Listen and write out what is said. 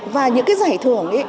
và những cái giải thưởng